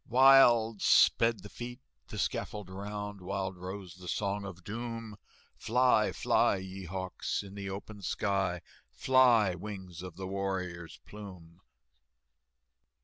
Wild sped the feet the scaffold round, Wild rose the Song of Doom, "Fly, fly, ye hawks, in the open sky, Fly, wings of the warrior's plume!"